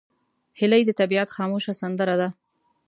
هیلۍ د طبیعت خاموشه سندره ده